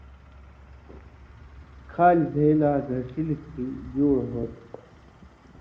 کھالیۡ زئ لا گھݜِلیۡ کھیں جُوڑ ہوتھی۔